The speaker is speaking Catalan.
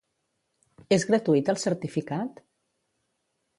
És gratuït el certificat?